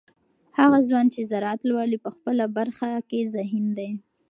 هغه ځوان چې زراعت لولي په خپله برخه کې ذهین دی.